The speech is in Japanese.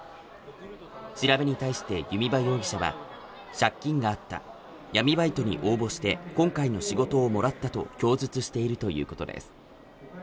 調べに対して弓場容疑者は借金があった闇バイトに応募して今回の仕事をもらったと供述しているということです。